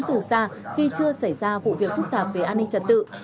từ xa khi chưa xảy ra vụ việc phức tạp về an ninh trật tự